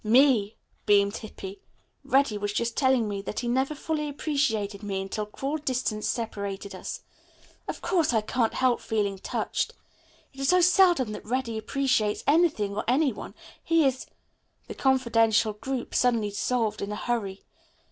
"Me," beamed Hippy. "Reddy was just telling me that he never fully appreciated me until cruel distance separated us. Of course I can't help feeling touched. It is so seldom that Reddy appreciates anything or any one. He is " The confidential group suddenly dissolved in a hurry.